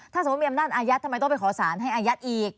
ถ้าสมมุติมีอำนาจอายัดทำไมต้องไปขอสารให้อายัดอีก